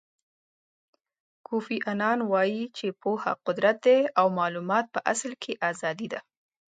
کوفی انان وایي چې پوهه قدرت دی او معلومات په اصل کې ازادي ده.